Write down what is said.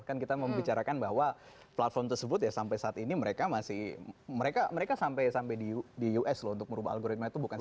kan kita membicarakan bahwa platform tersebut ya sampai saat ini mereka masih mereka sampai di us loh untuk merubah algoritma itu bukan